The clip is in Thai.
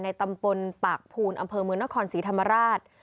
ตำบลปากภูนอำเภอเมืองนครศรีธรรมราช